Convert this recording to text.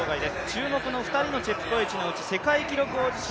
注目の２人のチェプコエチのうち、世界記録保持者